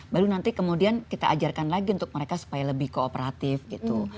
baru nanti kemudian kita ajarkan lagi untuk mereka supaya lebih kooperatif gitu